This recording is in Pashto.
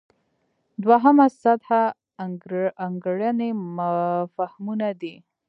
دوهمه سطح انګېرنې فهمونه دي.